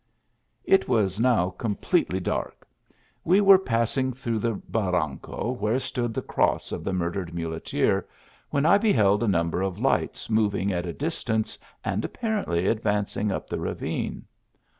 It was now completely dark; we were passing through the barranco where stood the cross of the murdered muleteer, when I beheld a number of lights moving at a distance and apparently advanc ing up the ravine.